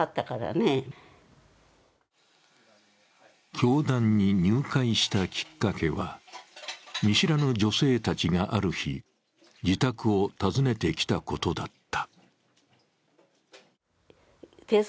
教団に入会したきっかけは見知らぬ女性たちがある日自宅を訪ねてきたことだった。